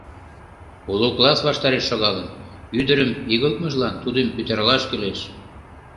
Уло класс ваштареш шогалын— Ӱдырым игылтмыжлан тудым пӱтыралаш кӱлеш.